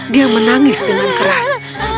dia menangis dengan keras